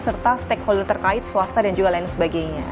serta stakeholder terkait swasta dan juga lain sebagainya